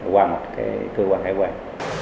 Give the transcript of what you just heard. qua một cơ quan hải quản